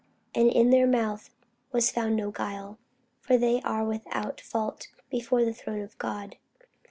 And in their mouth was found no guile: for they are without fault before the throne of God.